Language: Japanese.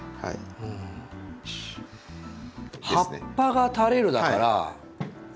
葉っぱが垂れるだから。